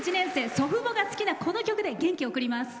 祖父母の好きなこの曲で元気を送ります。